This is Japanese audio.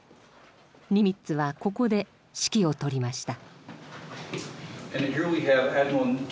ニミッツはここで指揮を執りました。